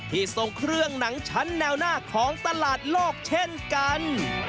ทรงเครื่องหนังชั้นแนวหน้าของตลาดโลกเช่นกัน